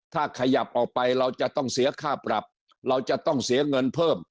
ถ้าขยับออกไปเราจะต้องเสียค่าปรับเราจะต้องเสียเงินเพิ่ม